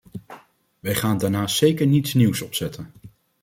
Wij gaan daarnaast zeker niets nieuws opzetten.